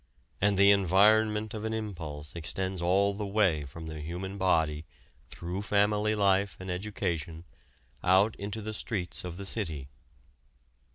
And the environment of an impulse extends all the way from the human body, through family life and education out into the streets of the city.